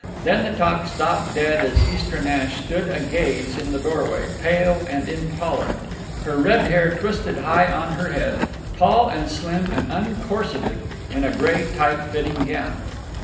Then the talk stopped dead as Istra Nash stood agaze in the doorway—pale and intolerant, her red hair twisted high on her head, tall and slim and uncorseted in a gray tight fitting gown.